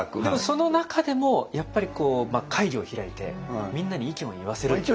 でもその中でもやっぱり会議を開いてみんなに意見を言わせる。